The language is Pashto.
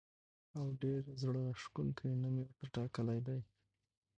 او ډېر زړه راښکونکی نوم یې ورته ټاکلی دی.